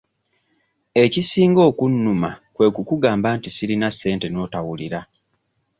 Ekisinga okunnuma kwe kukugamba nti sirina ssente n'otawulira.